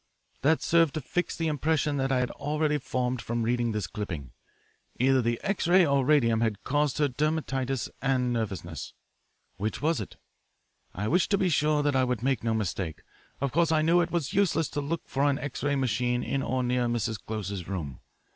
That served to fix the impression that I had already formed from reading this clipping. Either the X ray or radium had caused her dermatitis and nervousness. Which was it? I wished to be sure that I would make no mistake. Of course I knew it was useless to look for an X ray machine in or near Mrs. Close's room.